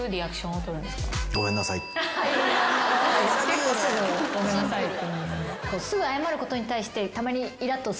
結構すぐごめんなさいって。